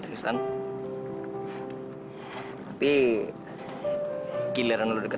apa yang bikin warren mis suicidered